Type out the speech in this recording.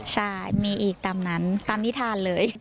ใช่มีอีกตามนั้นตามนิทานเลย